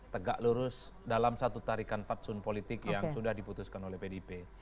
tegak lurus dalam satu tarikan fatsun politik yang sudah diputuskan oleh pdip